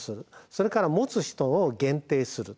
それから持つ人を限定する。